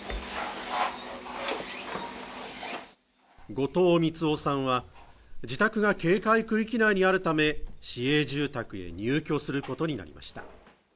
後藤光雄さんは自宅が警戒区域内にあるため市営住宅へ入居することになりました